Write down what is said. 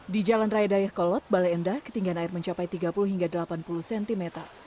di jalan raya dayakolot bale endah ketinggian air mencapai tiga puluh hingga delapan puluh cm